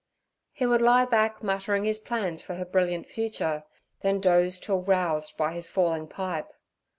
He would lie back, muttering his plans for her brilliant future, then doze till roused by his falling pipe.